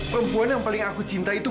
perempuan yang paling aku cinta itu